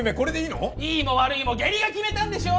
いいも悪いも下痢が決めたんでしょ？